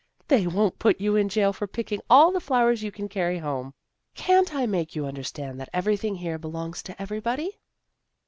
" They won't put you in jail for picking all the flowers you can carry home. Can't I make you understand that everything here belongs to everybody?